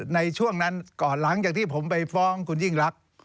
ในช่วงนั้นก่อนหลังจากที่ผมไปฟ้องคุณยิ่งรัก